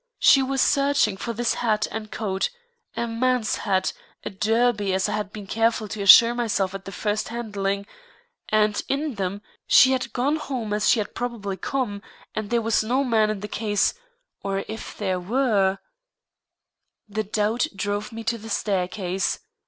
She was searching for this hat and coat (a man's hat, a derby, as I had been careful to assure myself at the first handling) and, in them, she had gone home as she had probably come, and there was no man in the case, or if there were The doubt drove me to the staircase.